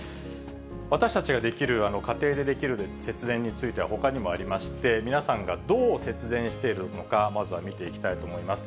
私たちができる、家庭でできる節電については、ほかにもありまして、皆さんがどう節電しているのか、まずは見ていきたいと思います。